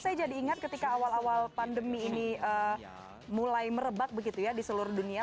saya jadi ingat ketika awal awal pandemi ini mulai merebak begitu ya di seluruh dunia